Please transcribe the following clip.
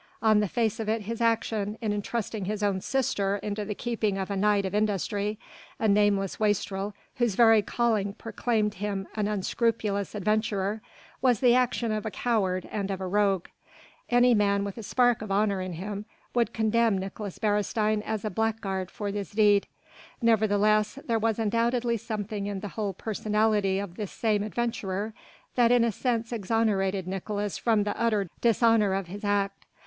On the face of it his action in entrusting his own sister into the keeping of a knight of industry, a nameless wastrel whose very calling proclaimed him an unscrupulous adventurer, was the action of a coward and of a rogue. Any man with a spark of honour in him would condemn Nicolaes Beresteyn as a blackguard for this deed. Nevertheless there was undoubtedly something in the whole personality of this same adventurer that in a sense exonerated Nicolaes from the utter dishonour of his act.